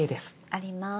あります